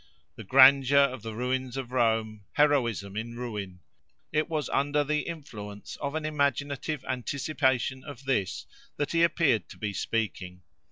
The grandeur of the ruins of Rome,—heroism in ruin: it was under the influence of an imaginative anticipation of this, that he appeared to be speaking.